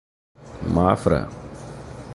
Mafra